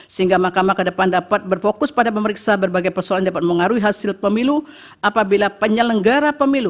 sehingga mahkamah ke depan dapat berfokus pada memeriksa berbagai persoalan yang dapat mengaruhi hasil pemilu apabila penyelenggara pemilu